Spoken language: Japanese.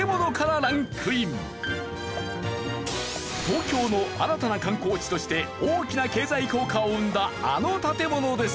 東京の新たな観光地として大きな経済効果を生んだあの建物です。